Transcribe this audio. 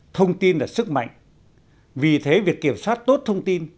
thông tin là sức mạnh vì thế việc kiểm soát tốt thông tin